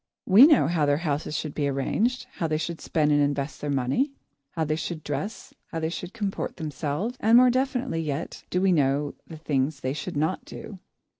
We know how their houses should be arranged, how they should spend and invest their money, how they should dress, how they should comport themselves, and more definitely yet do we know the things they should not do.